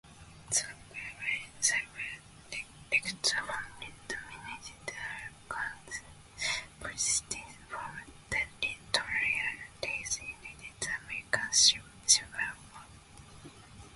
The Conway-Sevier-Rector family dominated Arkansas politics from territorial days until the American Civil War.